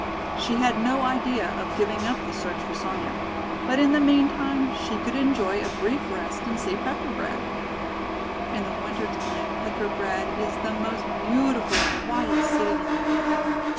She had no idea of giving up the search for Sonya. But in the meantime she could enjoy a brief rest and see Petrograd. In the winter time Petrograd is the most beautifully quiet city in the world.